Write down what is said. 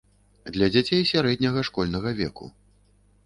Для дзяцей сярэдняга школьнага веку.